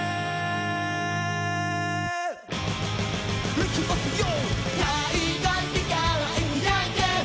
いきますよ！